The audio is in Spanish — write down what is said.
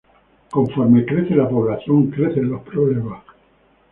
Conforme crece la población, crecen los problemas.